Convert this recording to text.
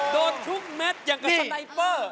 โดนทุ่มแมทอย่างกับสไตเปอร์